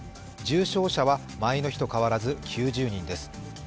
重症者は前の日と変わらず９０人です。